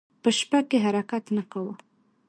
په شپه کې حرکت نه کاوه.